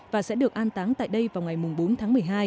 và sẽ được an táng tại đây vào ngày bốn tháng một mươi hai